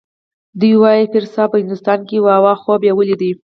دوی وايي پیرصاحب په هندوستان کې و او خوب یې ولید.